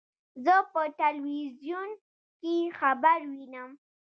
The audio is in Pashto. زه په ټلویزیون کې خبر وینم.